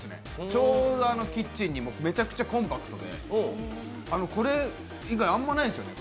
ちょうどキッチンにも合う、めちゃくちゃコンパクトでこれ以外、あんまないんですよね